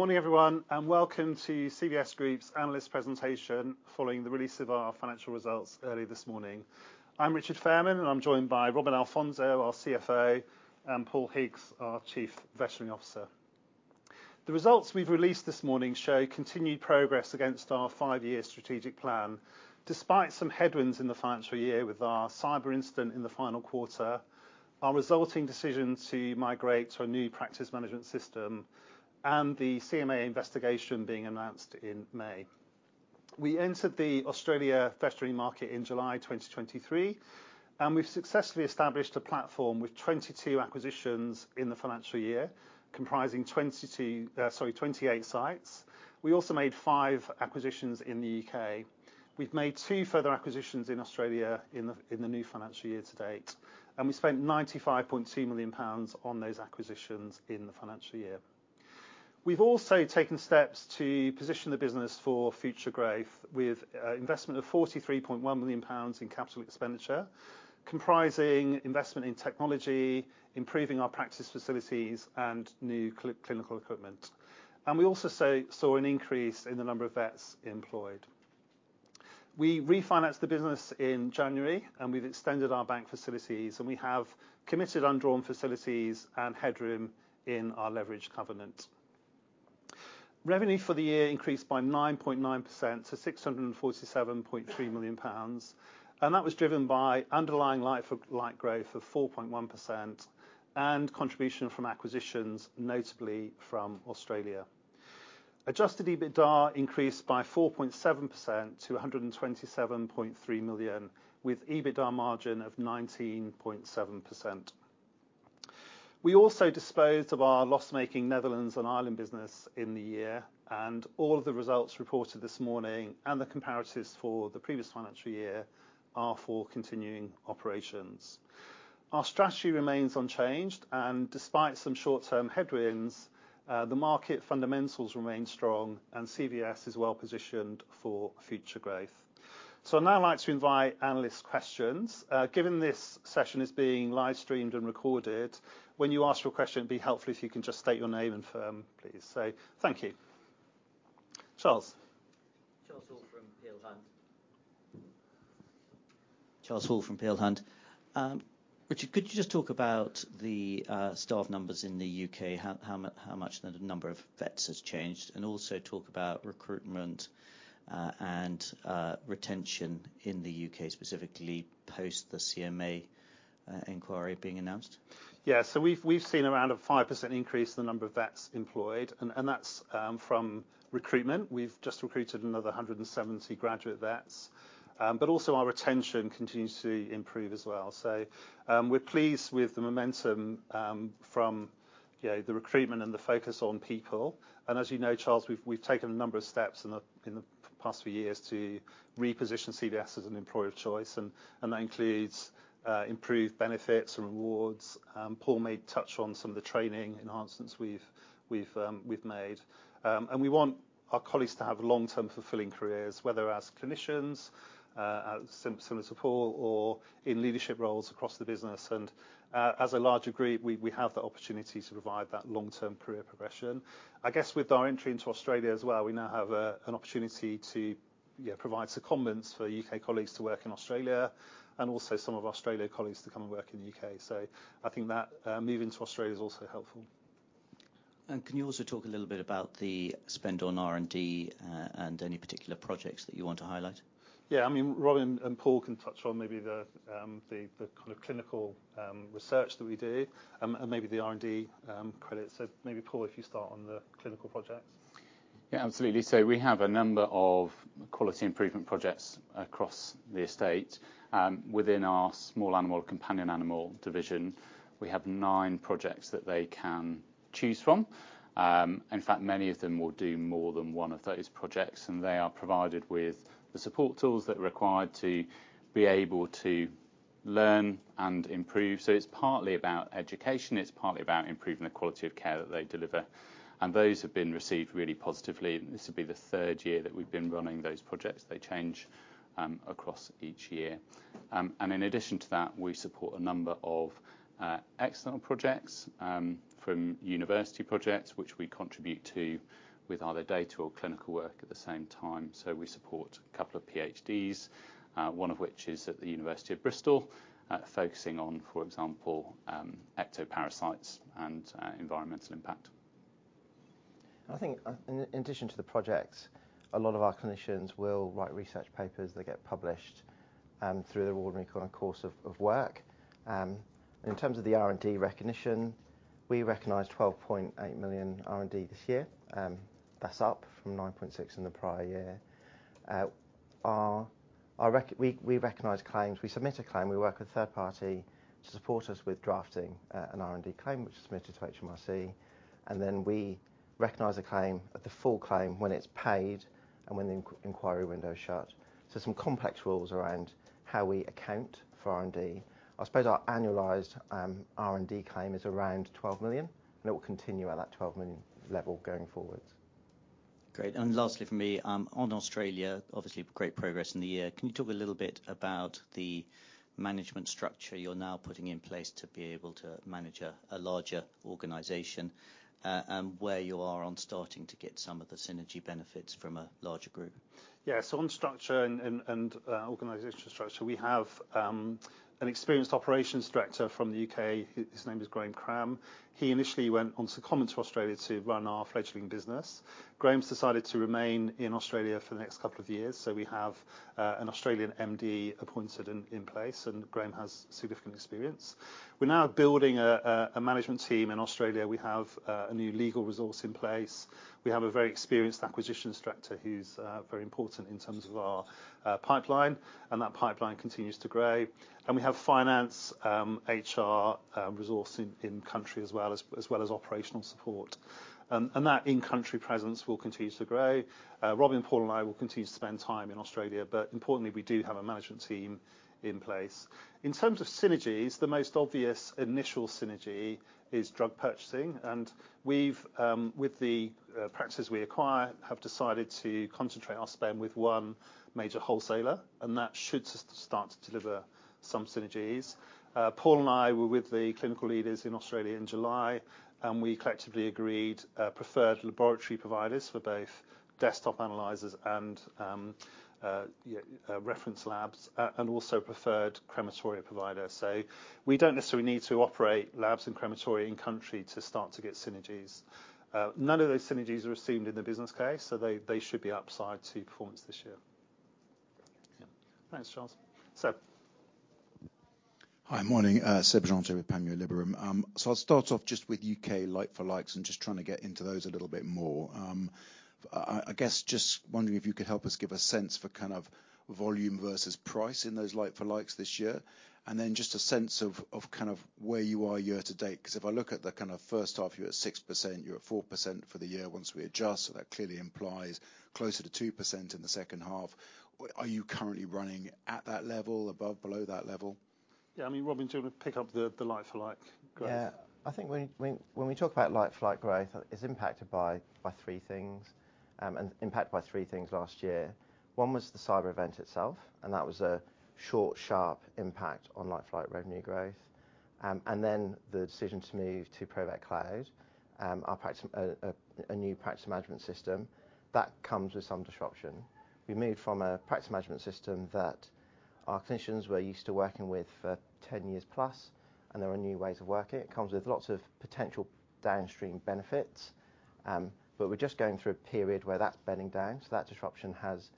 Morning, everyone, and welcome to CVS Group's analyst presentation, following the release of our financial results early this morning. I'm Richard Fairman, and I'm joined by Robin Alfonso, our CFO, and Paul Higgs, our Chief Veterinary Officer. The results we've released this morning show continued progress against our five-year strategic plan, despite some headwinds in the financial year with our cyber incident in the final quarter, our resulting decision to migrate to a new practice management system, and the CMA investigation being announced in May. We entered the Australia veterinary market in July 2023, and we've successfully established a platform with twenty-two acquisitions in the financial year, comprising twenty-two, twenty-eight sites. We also made five acquisitions in the UK. We've made two further acquisitions in Australia in the new financial year to date, and we spent 95.2 million pounds on those acquisitions in the financial year. We've also taken steps to position the business for future growth, with investment of 43.1 million pounds in capital expenditure, comprising investment in technology, improving our practice facilities, and new clinical equipment, and we also saw an increase in the number of vets employed. We refinanced the business in January, and we've extended our bank facilities, and we have committed undrawn facilities and headroom in our leverage covenant. Revenue for the year increased by 9.9% to 647.3 million pounds, and that was driven by underlying like for like growth of 4.1% and contribution from acquisitions, notably from Australia. Adjusted EBITDA increased by 4.7% to 127.3 million, with EBITDA margin of 19.7%. We also disposed of our loss-making Netherlands and Ireland business in the year, and all of the results reported this morning and the comparatives for the previous financial year are for continuing operations. Our strategy remains unchanged, and despite some short-term headwinds, the market fundamentals remain strong, and CVS is well positioned for future growth. So I'd now like to invite analyst questions. Given this session is being live streamed and recorded, when you ask your question, it'd be helpful if you can just state your name and firm, please. So thank you. Charles? Charles Hall from Peel Hunt. Richard, could you just talk about the staff numbers in the UK? How much the number of vets has changed, and also talk about recruitment and retention in the UK, specifically post the CMA inquiry being announced? Yeah. So we've seen around a 5% increase in the number of vets employed, and that's from recruitment. We've just recruited another 170 graduate vets, but also our retention continues to improve as well. So, we're pleased with the momentum from, you know, the recruitment and the focus on people, and as you know, Charles, we've taken a number of steps in the past few years to reposition CVS as an employer of choice, and that includes improved benefits and rewards. Paul may touch on some of the training enhancements we've made. And we want our colleagues to have long-term, fulfilling careers, whether as clinicians, as similar support or in leadership roles across the business. As a larger group, we have the opportunity to provide that long-term career progression. I guess with our entry into Australia as well, we now have an opportunity to provide secondments for UK colleagues to work in Australia and also some of our Australia colleagues to come and work in the UK. I think that move into Australia is also helpful. Can you also talk a little bit about the spend on R&D, and any particular projects that you want to highlight? Yeah. I mean, Robin and Paul can touch on maybe the kind of clinical research that we do and maybe the R&D credits. So maybe, Paul, if you start on the clinical projects. Yeah, absolutely. So we have a number of quality improvement projects across the estate. Within our small animal, companion animal division, we have nine projects that they can choose from. In fact, many of them will do more than one of those projects, and they are provided with the support tools that are required to be able to learn and improve. So it's partly about education, it's partly about improving the quality of care that they deliver, and those have been received really positively. This will be the third year that we've been running those projects. They change across each year. And in addition to that, we support a number of external projects from university projects, which we contribute to with either data or clinical work at the same time. So we support a couple of PhDs, one of which is at the University of Bristol, focusing on, for example, ectoparasites and environmental impact. I think, in addition to the projects, a lot of our clinicians will write research papers that get published through the ordinary course of work. In terms of the R&D recognition, we recognize 12.8 million R&D this year. That's up from 9.6 million in the prior year. We recognize claims... We submit a claim, we work with a third party to support us with drafting an R&D claim, which is submitted to HMRC, and then we recognize the full claim when it's paid and when the inquiry window is shut. So some complex rules around how we account for R&D. I suppose our annualized R&D claim is around 12 million, and it will continue at that 12 million level going forward. Great, and lastly for me, on Australia, obviously great progress in the year. Can you talk a little bit about the management structure you're now putting in place to be able to manage a larger organization? And where you are on starting to get some of the synergy benefits from a larger group? Yeah, so on structure and organizational structure, we have an experienced operations director from the UK. His name is Graeme Cram. He initially went on secondment to Australia to run our fledgling business. Graham's decided to remain in Australia for the next couple of years, so we have an Australian MD appointed in place, and Graham has significant experience. We're now building a management team in Australia. We have a new legal resource in place. We have a very experienced acquisitions director who's very important in terms of our pipeline, and that pipeline continues to grow. And we have finance, HR resource in country, as well as operational support. And that in-country presence will continue to grow. Robin, Paul, and I will continue to spend time in Australia, but importantly, we do have a management team in place. In terms of synergies, the most obvious initial synergy is drug purchasing, and we've with the practices we acquire have decided to concentrate our spend with one major wholesaler, and that should start to deliver some synergies. Paul and I were with the clinical leaders in Australia in July, and we collectively agreed preferred laboratory providers for both desktop analyzers and reference labs, and also preferred crematoria providers. So we don't necessarily need to operate labs and crematoria in country to start to get synergies. None of those synergies are assumed in the business case, so they should be upside to performance this year. Yeah. Thanks, Charles. Seb? Hi, morning, Seb Jantet with Panmure Gordon. So I'll start off just with UK like-for-likes and just trying to get into those a little bit more. I guess just wondering if you could help us give a sense for kind of volume versus price in those like-for-likes this year. And then just a sense of kind of where you are year to date. 'Cause if I look at the kind of first half, you're at 6%, you're at 4% for the year once we adjust. So that clearly implies closer to 2% in the second half. Are you currently running at that level? Above, below that level? Yeah, I mean, Robin, do you want to pick up the like-for-like growth? Yeah. I think when we talk about like-for-like growth, it's impacted by three things last year. One was the cyber event itself, and that was a short, sharp impact on like-for-like revenue growth, and then the decision to move to Provet Cloud, a new practice management system that comes with some disruption. We moved from a practice management system that our clinicians were used to working with for 10 years plus, and there are new ways of working. It comes with lots of potential downstream benefits, but we're just going through a period where that's bedding down, so that disruption has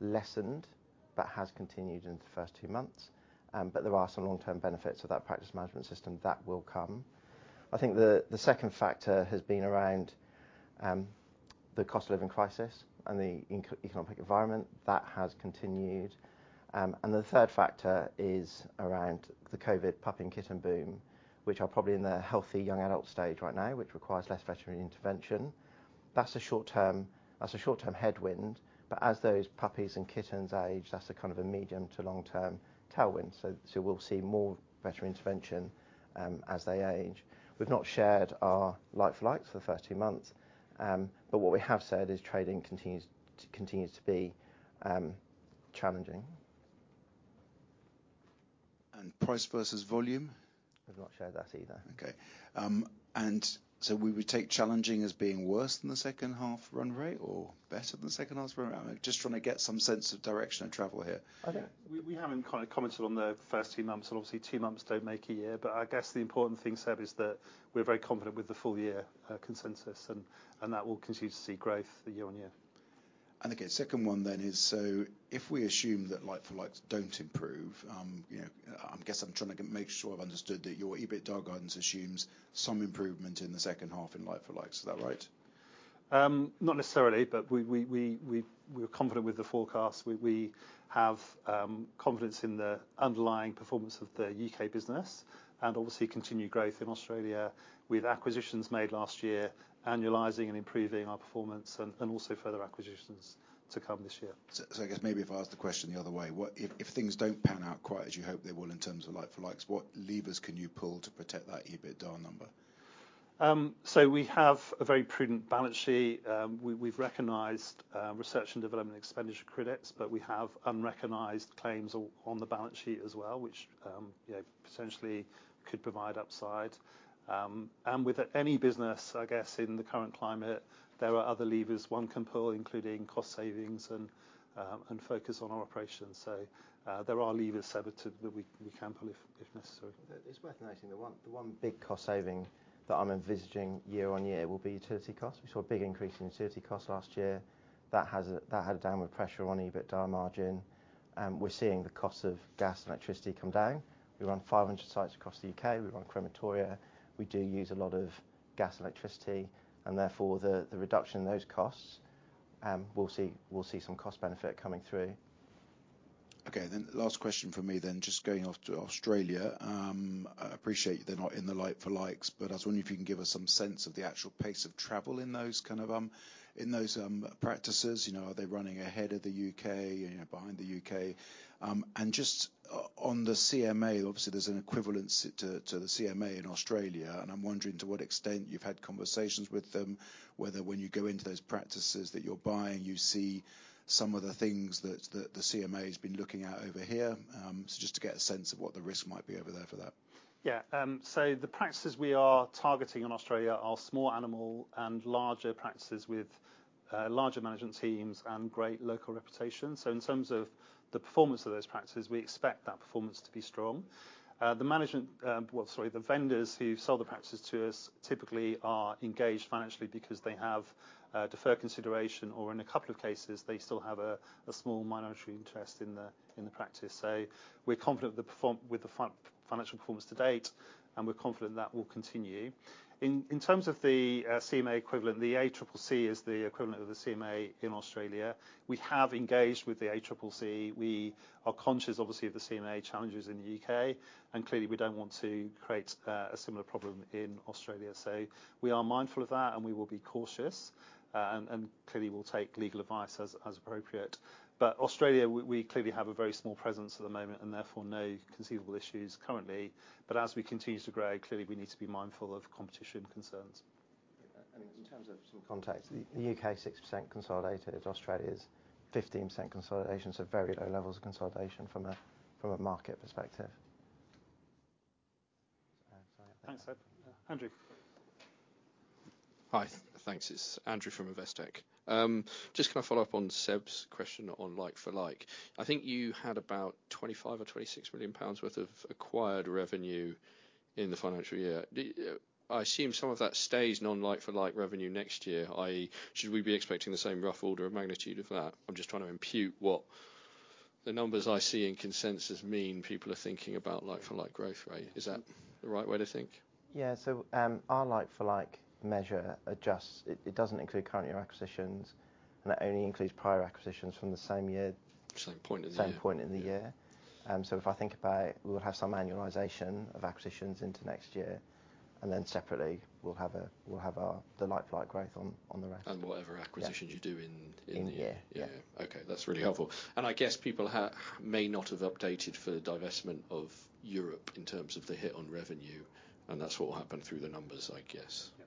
lessened, but has continued into the first two months, but there are some long-term benefits of that practice management system that will come. I think the second factor has been around the cost of living crisis and the economic environment that has continued. And the third factor is around the COVID puppy and kitten boom, which are probably in their healthy young adult stage right now, which requires less veterinary intervention. That's a short-term headwind, but as those puppies and kittens age, that's a kind of a medium to long-term tailwind. So we'll see more veterinary intervention as they age. We've not shared our like-for-likes for the first two months, but what we have said is trading continues to be challenging. Price versus volume? We've not shared that either. Okay. And so we would take challenging as being worse than the second half run rate or better than the second half run rate? I'm just trying to get some sense of direction of travel here. I don't. We haven't kind of commented on the first two months, and obviously, two months don't make a year. But I guess the important thing, Seb, is that we're very confident with the full year consensus, and that we'll continue to see growth year-on-year. Okay, second one then is so if we assume that like-for-likes don't improve, you know, I guess I'm trying to make sure I've understood that your EBITDA guidance assumes some improvement in the second half in like-for-likes. Is that right? Not necessarily, but we're confident with the forecast. We have confidence in the underlying performance of the UK business and obviously continued growth in Australia with acquisitions made last year, annualizing and improving our performance and also further acquisitions to come this year. So I guess maybe if I ask the question the other way, what if things don't pan out quite as you hope they will in terms of like-for-like, what levers can you pull to protect that EBITDA number? So we have a very prudent balance sheet. We've recognized research and development expenditure credits, but we have unrecognized claims on the balance sheet as well, which you know, potentially could provide upside. And with any business, I guess, in the current climate, there are other levers one can pull, including cost savings and focus on our operations. So there are levers, Seb, that we can pull if necessary. It's worth noting, the one big cost saving that I'm envisaging year-on-year will be utility costs. We saw a big increase in utility costs last year. That had a downward pressure on EBITDA margin, and we're seeing the cost of gas and electricity come down. We run 500 sites across the UK. We run crematoria. We do use a lot of gas and electricity, and therefore, the reduction in those costs, we'll see some cost benefit coming through. Okay, then last question from me then, just going off to Australia. I appreciate they're not in the like-for-likes, but I was wondering if you can give us some sense of the actual pace of travel in those kind of, in those, practices. You know, are they running ahead of the UK, you know, behind the UK? And just, on the CMA, obviously, there's an equivalence to, to the CMA in Australia. I'm wondering to what extent you've had conversations with them, whether when you go into those practices that you're buying, you see some of the things that the CMA has been looking at over here. So just to get a sense of what the risk might be over there for that. Yeah, so the practices we are targeting in Australia are small animal and larger practices with larger management teams and great local reputation. So in terms of the performance of those practices, we expect that performance to be strong. Well, sorry, the vendors who sell the practices to us typically are engaged financially because they have deferred consideration, or in a couple of cases, they still have a small minority interest in the practice. So we're confident the performance with the financial performance to date, and we're confident that will continue. In terms of the CMA equivalent, the ACCC is the equivalent of the CMA in Australia. We have engaged with the ACCC. We are conscious, obviously, of the CMA challenges in the UK, and clearly, we don't want to create a similar problem in Australia. So we are mindful of that, and we will be cautious, and clearly we'll take legal advice as appropriate. But Australia, we clearly have a very small presence at the moment and therefore no conceivable issues currently. But as we continue to grow, clearly, we need to be mindful of competition concerns. In terms of some context, the UK is 6% consolidated. Australia is 15% consolidation, so very low levels of consolidation from a market perspective. Thanks, Seb. Andrew? Hi. Thanks. It's Andrew from Investec. Just can I follow up on Seb's question on like-for-like? I think you had about 25 million or 26 million pounds worth of acquired revenue in the financial year. I assume some of that stays non-like for like revenue next year, i.e., should we be expecting the same rough order of magnitude of that? I'm just trying to impute what the numbers I see in consensus mean. People are thinking about like-for-like growth rate. Is that the right way to think? Yeah, so, our like-for-like measure adjusts. It doesn't include current year acquisitions, and it only includes prior acquisitions from the same year. Same point in the year. Same point in the year. Yeah. So if I think about it, we'll have some annualization of acquisitions into next year, and then separately, we'll have the like-for-like growth on the rest. Whatever acquisitions. Yeah You do in the year. In the year. Yeah. Yeah. Okay, that's really helpful, and I guess people may not have updated for the divestment of Europe in terms of the hit on revenue, and that's what will happen through the numbers, I guess. Yep. Yeah.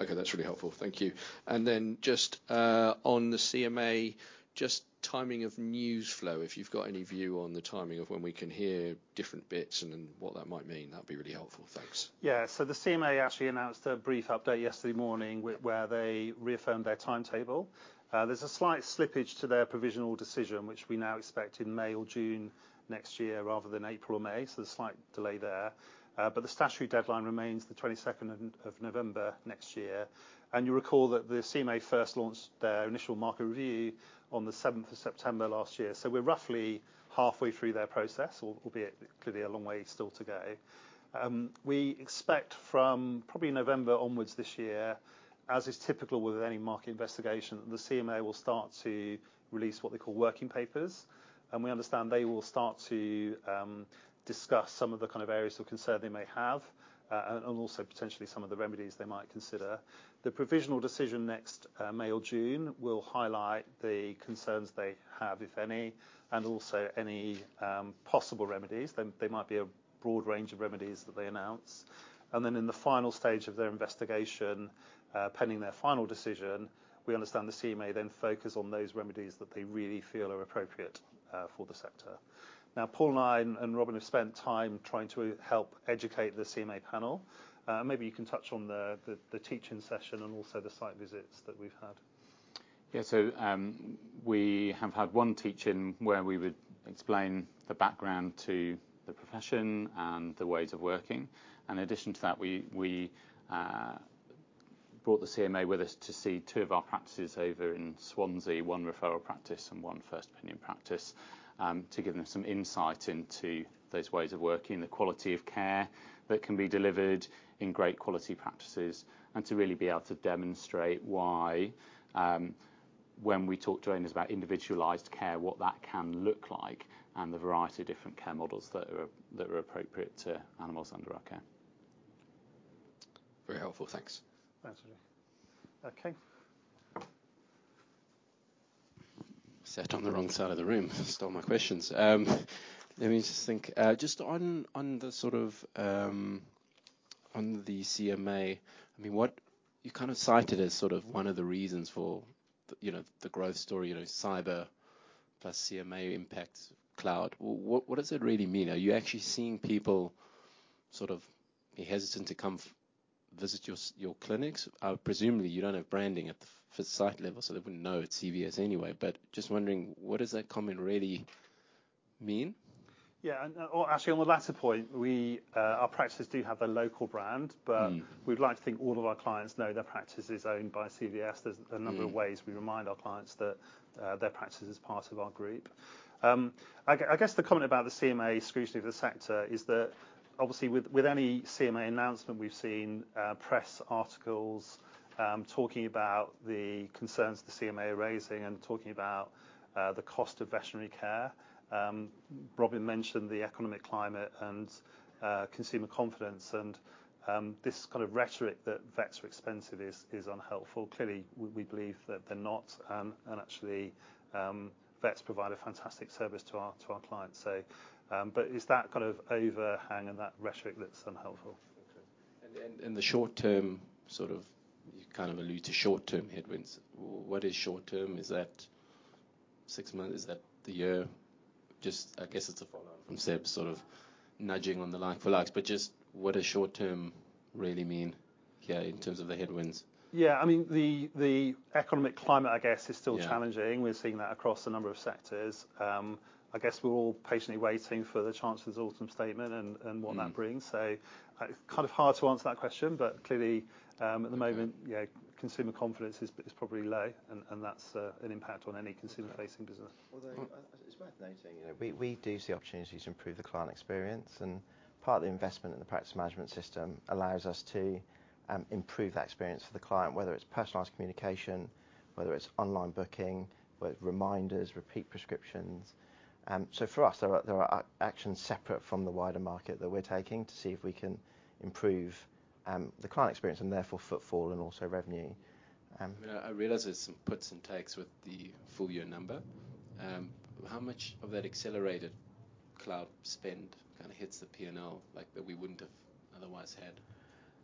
Okay, that's really helpful. Thank you. And then just on the CMA, just timing of news flow, if you've got any view on the timing of when we can hear different bits and then what that might mean, that'd be really helpful. Thanks. Yeah, so the CMA actually announced a brief update yesterday morning where they reaffirmed their timetable. There's a slight slippage to their provisional decision, which we now expect in May or June next year, rather than April or May, so a slight delay there. But the statutory deadline remains the twenty-second of November next year. And you recall that the CMA first launched their initial market review on the seventh of September last year. So we're roughly halfway through their process, or albeit, clearly a long way still to go. We expect from probably November onwards this year, as is typical with any market investigation, the CMA will start to release what they call working papers. We understand they will start to discuss some of the kind of areas of concern they may have, and also potentially some of the remedies they might consider. The provisional decision next May or June will highlight the concerns they have, if any, and also any possible remedies. There might be a broad range of remedies that they announce. In the final stage of their investigation, pending their final decision, we understand the CMA then focus on those remedies that they really feel are appropriate for the sector. Now, Paul and I and Robin have spent time trying to help educate the CMA panel. Maybe you can touch on the teach-in session and also the site visits that we've had. Yeah, so, we have had one teach-in where we would explain the background to the profession and the ways of working, and in addition to that, we brought the CMA with us to see two of our practices over in Swansea, one referral practice and one first opinion practice, to give them some insight into those ways of working, the quality of care that can be delivered in great quality practices, and to really be able to demonstrate why, when we talk to owners about individualized care, what that can look like, and the variety of different care models that are appropriate to animals under our care. Very helpful. Thanks. Thanks, Andrew. Okay. Sat on the wrong side of the room. You stole my questions. Let me just think. Just on the sort of CMA, I mean, what you kind of cited as sort of one of the reasons for the, you know, the growth story, you know, cyber plus CMA impacts cloud. What, what does it really mean? Are you actually seeing people sort of be hesitant to come visit your your clinics? Presumably, you don't have branding at the, for site level, so they wouldn't know it's CVS anyway. But just wondering, what does that comment really mean? Yeah, and, or actually, on the latter point, we, our practices do have a local brand but we'd like to think all of our clients know their practice is owned by CVS. There's a number of ways we remind our clients that their practice is part of our group. I guess the comment about the CMA scrutiny of the sector is that obviously with any CMA announcement, we've seen press articles talking about the concerns the CMA are raising and talking about the cost of veterinary care. Robin mentioned the economic climate and consumer confidence, and this kind of rhetoric that vets are expensive is unhelpful. Clearly, we believe that they're not, and actually vets provide a fantastic service to our clients, so but it's that kind of overhang and that rhetoric that's unhelpful. And the short term, sort of. You kind of allude to short-term headwinds. What is short term? Is that six months? Is that the year? Just, I guess it's a follow-on from Seb, sort of nudging on the like for likes, but just what does short term really mean here in terms of the headwinds? Yeah, I mean, the economic climate, I guess, is still challenging. Yeah. We're seeing that across a number of sectors. I guess we're all patiently waiting for the Chancellor's Autumn Statement and what that brings. It's kind of hard to answer that question, but clearly, at the moment- Okay Yeah, consumer confidence is probably low, and that's an impact on any consumer-facing business. Although it's worth noting, you know, we do see opportunities to improve the client experience, and part of the investment in the practice management system allows us to improve that experience for the client, whether it's personalized communication, whether it's online booking, whether reminders, repeat prescriptions. So for us, there are actions separate from the wider market that we're taking to see if we can improve the client experience and therefore footfall and also revenue. Yeah, I realize there's some puts and takes with the full year number. How much of that accelerated cloud spend kind of hits the P&L, like, that we wouldn't have otherwise had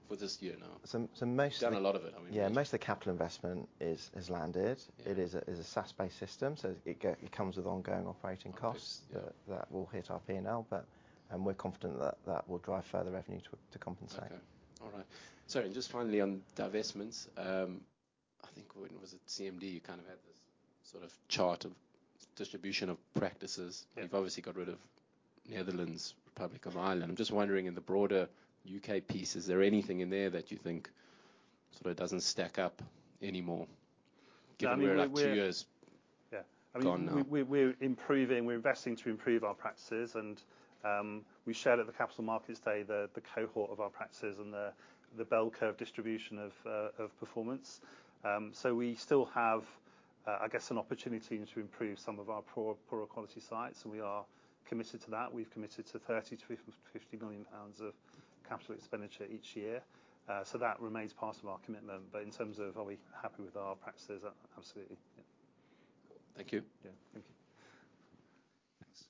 for this year now? So most. Done a lot of it, I mean. Yeah, most of the capital investment is landed. Yeah. It is a SaaS-based system, so it comes with ongoing operating costs. Okay. Yeah That will hit our P&L, but and we're confident that will drive further revenue to compensate. Okay. All right. Sorry, and just finally, on divestments. I think, when was it? CMD, you kind of had this sort of chart of distribution of practices. Yeah. You've obviously got rid of Netherlands, Republic of Ireland. I'm just wondering, in the broader U.K. piece, is there anything in there that you think sort of doesn't stack up anymore, given we're like two years- Yeah, I mean, we're. Gone now? We're improving, we're investing to improve our practices, and we shared at the Capital Markets Day, the cohort of our practices and the bell curve distribution of performance. So we still have, I guess, an opportunity to improve some of our poor, poorer quality sites, and we are committed to that. We've committed to 30 million-50 million pounds of capital expenditure each year. So that remains part of our commitment. But in terms of are we happy with our practices? Absolutely. Thank you. Yeah, thank you. Thanks.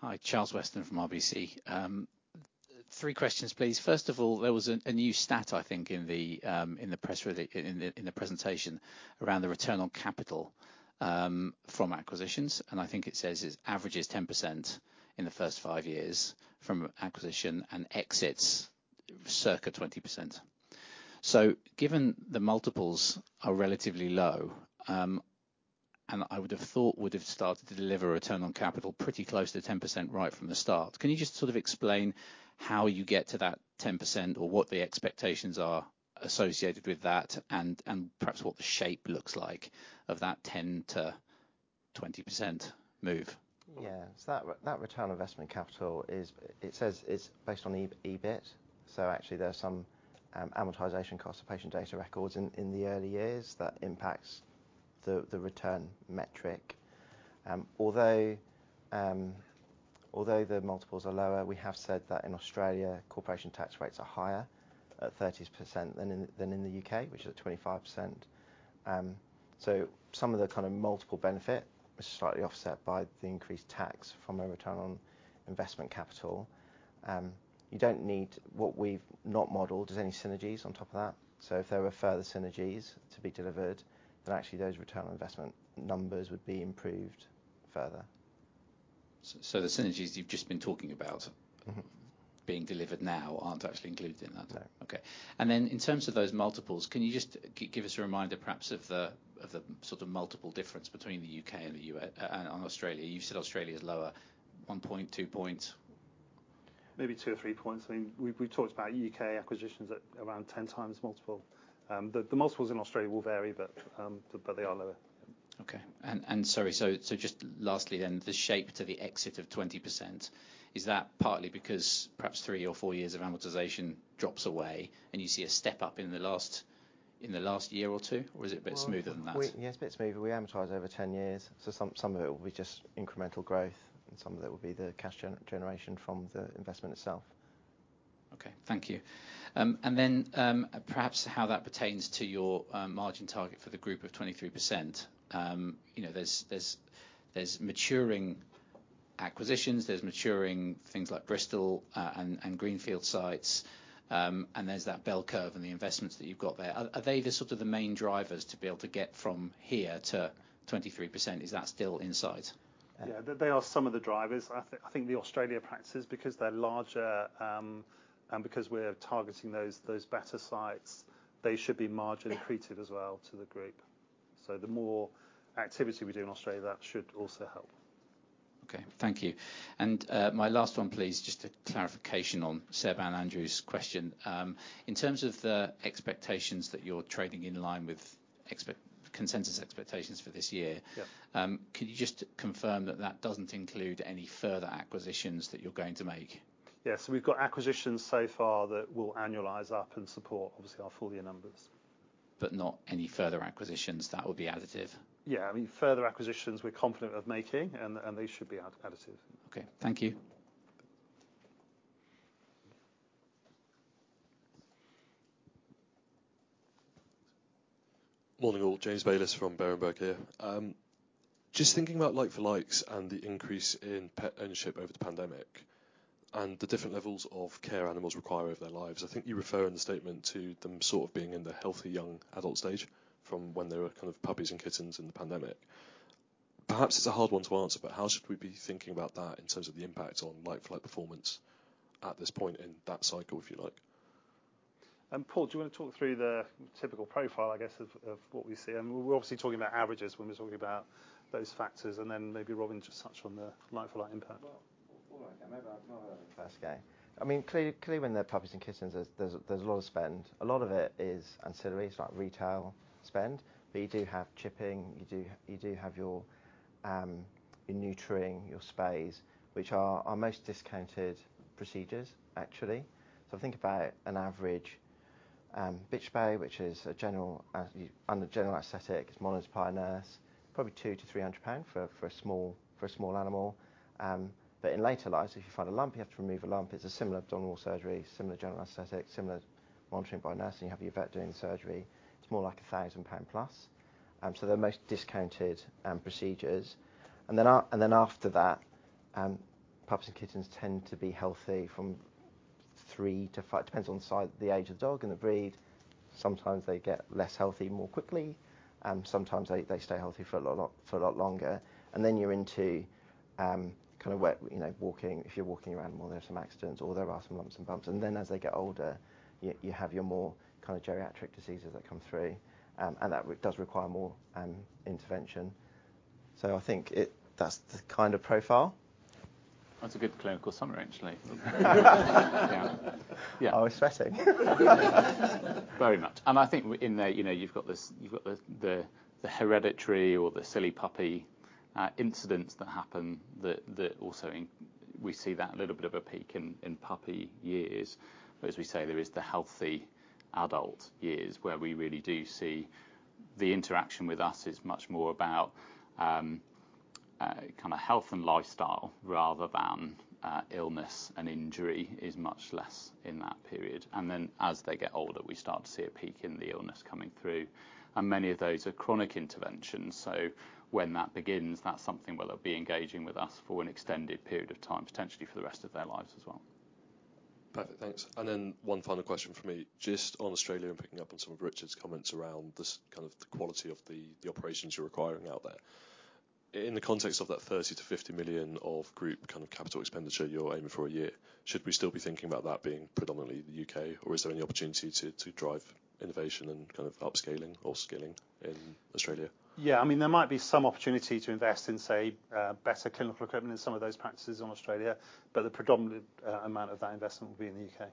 Hi, Charles Weston from RBC. Three questions, please. First of all, there was a new stat, I think, in the press release. In the presentation around the return on capital from acquisitions, and I think it says it averages 10% in the first five years from acquisition and exits circa 20%. So given the multiples are relatively low, and I would have thought would have started to deliver return on capital pretty close to 10% right from the start, can you just sort of explain how you get to that 10%, or what the expectations are associated with that, and perhaps what the shape looks like of that 10%-20% move? Yeah. So that return on investment capital is. It says it's based on EBIT. So actually, there are some amortization costs to patient data records in the early years that impacts the return metric. Although the multiples are lower, we have said that in Australia, corporation tax rates are higher, at 30% than in the UK, which is at 25%. So some of the kind of multiple benefit is slightly offset by the increased tax from a return on investment capital. You don't need. What we've not modeled is any synergies on top of that. So if there were further synergies to be delivered, then actually those return on investment numbers would be improved further. So the synergies you've just been talking about being delivered now aren't actually included in that? No. Okay. And then, in terms of those multiples, can you just give us a reminder, perhaps, of the sort of multiple difference between the UK and the US, and Australia? You've said Australia is lower, one point, two points. Maybe two or three points. I mean, we've talked about UK acquisitions at around 10x multiple. The multiples in Australia will vary, but they are lower. Okay, and sorry, so just lastly then, the shape to the exit of 20%, is that partly because perhaps three or four years of amortization drops away and you see a step-up in the last year or two, or is it a bit smoother than that? Yes, a bit smoother. We amortize over ten years, so some of it will be just incremental growth and some of it will be the cash generation from the investment itself. Okay, thank you and then, perhaps how that pertains to your margin target for the group of 23%. You know, there's maturing acquisitions, there's maturing things like Bristol, and greenfield sites, and there's that bell curve and the investments that you've got there. Are they the sort of main drivers to be able to get from here to 23%? Is that still in sight? Yeah, they are some of the drivers. I think the Australia practices, because they're larger, and because we're targeting those better sites, they should be margin accretive as well to the group. So the more activity we do in Australia, that should also help. Okay, thank you. And, my last one, please, just a clarification on Seb and Andrew's question. In terms of the expectations that you're trading in line with consensus expectations for this year- Yeah Can you just confirm that that doesn't include any further acquisitions that you're going to make? Yeah, so we've got acquisitions so far that will annualize up and support, obviously, our full year numbers. But not any further acquisitions that will be additive? Yeah, I mean, further acquisitions, we're confident of making, and they should be additive. Okay. Thank you. Morning, all. James Baylis from Berenberg here. Just thinking about like for likes and the increase in pet ownership over the pandemic, and the different levels of care animals require over their lives. I think you refer in the statement to them sort of being in the healthy, young adult stage from when they were kind of puppies and kittens in the pandemic. Perhaps it's a hard one to answer, but how should we be thinking about that in terms of the impact on like for like performance at this point in that cycle, if you like? Paul, do you wanna talk through the typical profile, I guess, of what we see? And we're obviously talking about averages when we're talking about those factors, and then maybe Robin can just touch on the like for like impact. All right, maybe I'll go first, okay. I mean, clearly, when they're puppies and kittens, there's a lot of spend. A lot of it is ancillaries, like retail spend, but you do have chipping. You do have your neutering, your spays, which are our most discounted procedures, actually. So think about an average bitch spay, which is under general anesthetic. It's monitored by a nurse, probably 200-300 pounds for a small animal. But in later life, if you find a lump, you have to remove a lump. It's a similar abdominal surgery, similar general anesthetic, similar monitoring by a nurse, and you have your vet doing the surgery. It's more like 1,000 pound plus. So the most discounted procedures. And then after that, pups and kittens tend to be healthy from three to five, depends on the size, the age of the dog and the breed. Sometimes they get less healthy more quickly, and sometimes they stay healthy for a lot longer. And then you're into kind of weight, you know, walking. If you're walking around more, there are some accidents, or there are some lumps and bumps. And then as they get older, you have your more kind of geriatric diseases that come through, and that does require more intervention. So I think it. That's the kind of profile. That's a good clinical summary, actually. Yeah. I was sweating. Very much. And I think in there, you know, you've got this. You've got the hereditary or the silly puppy incidents that happen that also we see that little bit of a peak in puppy years. But as we say, there is the healthy adult years, where we really do see the interaction with us is much more about kind of health and lifestyle rather than illness and injury is much less in that period. And then as they get older, we start to see a peak in the illness coming through, and many of those are chronic interventions, so when that begins, that's something where they'll be engaging with us for an extended period of time, potentially for the rest of their lives as well. Perfect, thanks. Then one final question for me. Just on Australia, and picking up on some of Richard's comments around this kind of the quality of the operations you're acquiring out there. In the context of that 30 million-50 million of group capital expenditure you're aiming for a year, should we still be thinking about that being predominantly the U.K., or is there any opportunity to drive innovation and kind of upscaling or scaling in Australia? Yeah, I mean, there might be some opportunity to invest in, say, better clinical equipment in some of those practices in Australia, but the predominant amount of that investment will be in the UK.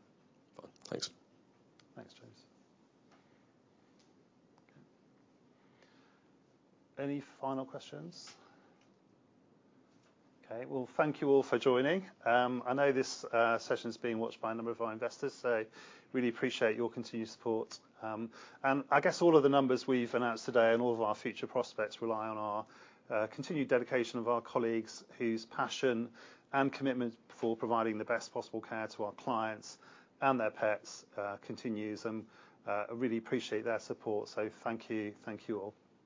Fine, thanks. Thanks, James. Any final questions? Okay, well, thank you all for joining. I know this session is being watched by a number of our investors, so I really appreciate your continued support, and I guess all of the numbers we've announced today and all of our future prospects rely on our continued dedication of our colleagues, whose passion and commitment for providing the best possible care to our clients and their pets continues, and I really appreciate their support. Thank you. Thank you, all.